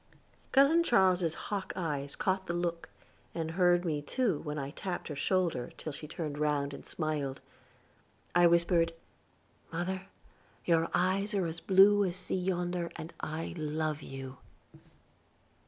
Cousin Charles's hawk eyes caught the look, and he heard me too, when I tapped her shoulder till she turned round and smiled. I whispered, "Mother, your eyes are as blue as the sea yonder, and I love you."